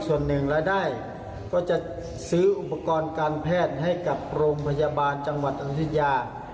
ส่วนหนึ่งรายได้ก็จะซื้ออุปกรณ์การแพทย์ให้กับโรงพยาบาลจังหวัดอยุธยา